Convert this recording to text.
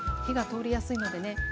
火が通りやすいのでね